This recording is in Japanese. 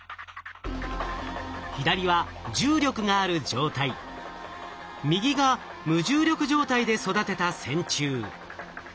左は重力がある状態右が無重力状態で育てた線虫。